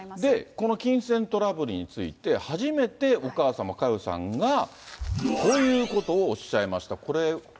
この金銭トラブルについて、初めてお母様、佳代さんが、こういうことをおっしゃいました。